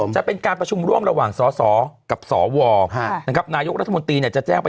จะเป็นการประชุมร่วมระหว่างสสกับสวนายกรัฐมนตรีจะแจ้งไป